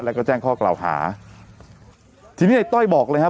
แล้วก็แจ้งข้อกล่าวหาทีนี้ไอ้ต้อยบอกเลยครับ